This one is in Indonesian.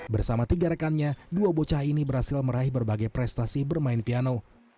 bersama tiga rekannya dua bocah ini berhasil meraih berbagai prestasi bermain piano